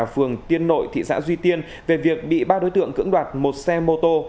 phường tiên nội thị xã duy tiên về việc bị ba đối tượng cưỡng đoạt một xe mô tô